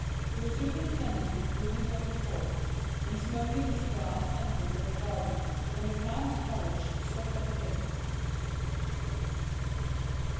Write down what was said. He was superintending the grooming of his horse, and smoking his cigar at the entrance of the garden, when the count's carriage stopped at the gate.